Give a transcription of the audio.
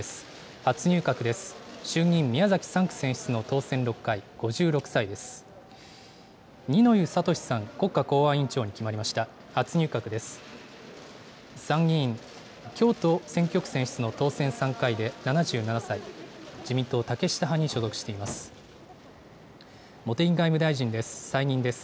初入閣です。